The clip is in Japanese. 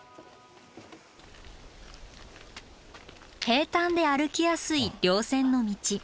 平たんで歩きやすい稜線の道。